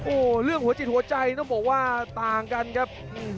โอ้โหเรื่องหัวจิตหัวใจต้องบอกว่าต่างกันครับ